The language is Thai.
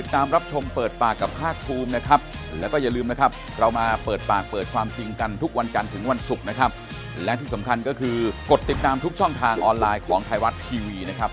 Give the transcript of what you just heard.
ทุกวันกันถึงวันศุกร์นะครับและที่สำคัญก็คือกดติดตามทุกช่องทางออนไลน์ของไทยรัฐทีวีนะครับ